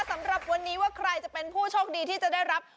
สำหรับวันนี้ว่าใครจะเป็นผู้โชคดีที่จะได้รับ